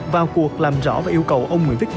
vào cuộc làm rõ và yêu cầu ông nguyễn vích đức